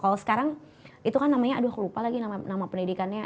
kalau sekarang itu kan namanya aduh aku lupa lagi nama pendidikannya